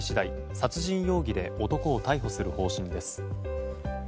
殺人容疑で男を逮捕する方針です。